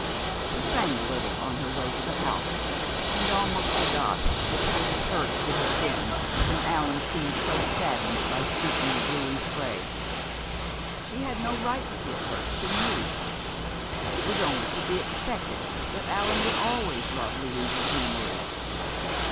She sang a little on her way to the house, and almost forgot the tiny hurt it had been when Allan seemed so saddened by speaking of Louise Frey. She had no right to feel hurt, she knew. It was only to be expected that Allan would always love Louise's memory.